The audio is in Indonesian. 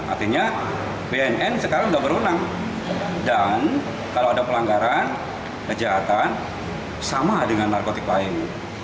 artinya bnn sekarang sudah berwenang dan kalau ada pelanggaran kejahatan sama dengan narkotik lain